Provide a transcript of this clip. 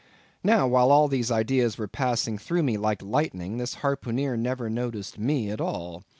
Now, while all these ideas were passing through me like lightning, this harpooneer never noticed me at all.